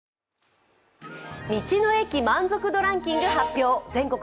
道の駅満足度ランキング発表、全国